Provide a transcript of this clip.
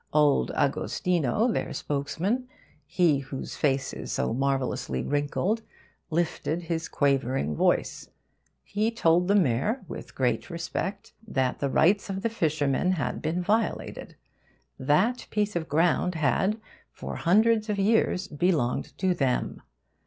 Old Agostino, their spokesman, he whose face is so marvellously wrinkled, lifted his quavering voice. He told the mayor, with great respect, that the rights of the fishermen had been violated. That piece of ground had for hundreds of years belonged to them.